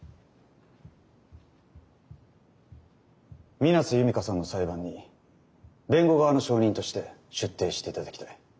水無瀬弓花さんの裁判に弁護側の証人として出廷していただきたい。